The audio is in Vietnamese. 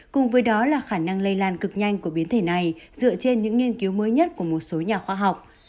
cùng với đó là khả năng lây lan cực nhanh của biến thể này dựa trên những nghiên cứu mới nhất của một số nhà khoa học